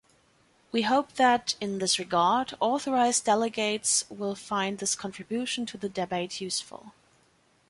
We hope that, in this regard, authorized delegates will find this contribution to the debate useful.